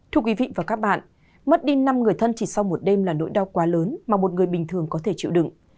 thưa quý vị và các bạn mất đi năm người thân chỉ sau một đêm là nỗi đau quá lớn mà một người bình thường có thể chịu đựng